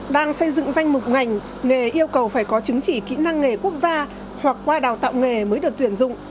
đang xây dựng danh mục ngành nghề yêu cầu phải có chứng chỉ kỹ năng nghề quốc gia hoặc qua đào tạo nghề mới được tuyển dụng